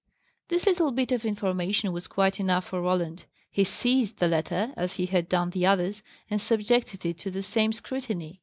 This little bit of information was quite enough for Roland. He seized the letter, as he had done the others, and subjected it to the same scrutiny.